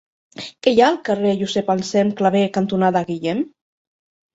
Què hi ha al carrer Josep Anselm Clavé cantonada Guillem?